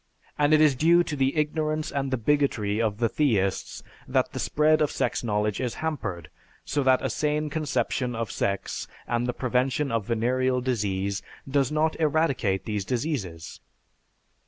And it is due to the ignorance and the bigotry of the theists that the spread of sex knowledge is hampered so that a sane conception of sex and the prevention of venereal disease does not eradicate these diseases.